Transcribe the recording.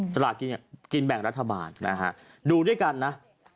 สลากินแบ่งรัฐบาลนะฮะดูด้วยกันนะ